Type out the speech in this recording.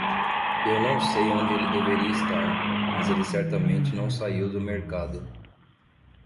Eu não sei onde ele deveria estar, mas ele certamente não saiu do mercado.